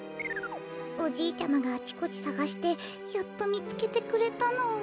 おじいちゃまがあちこちさがしてやっとみつけてくれたの。